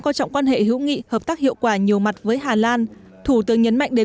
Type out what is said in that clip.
quan trọng quan hệ hữu nghị hợp tác hiệu quả nhiều mặt với hà lan thủ tướng nhấn mạnh đến